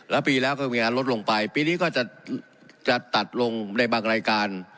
แล้วปีแล้วก็มีงานลดลงไปปีนี้ก็จะตัดลงในบางรายการ